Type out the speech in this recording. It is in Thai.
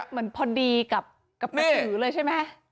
เหมือนพอดีกับกระสือเลยใช่ไหม